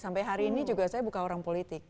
sampai hari ini juga saya bukan orang politik